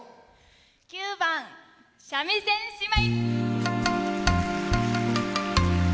９番「三味線姉妹」。